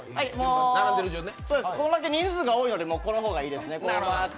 これだけ人数が多いのでこの方がいいですね。